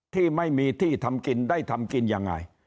ที่ไม่มีที่ทำกินได้ทำกินยังไง